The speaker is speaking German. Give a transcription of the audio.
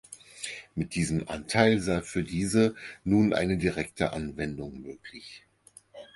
Mit dem Anteil sei für diese nun eine direkte Anwendung möglich.